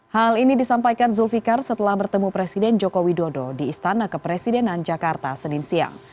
hal ini disampaikan zulfiqar setelah bertemu presiden joko widodo di istana kepresidenan jakarta senin siang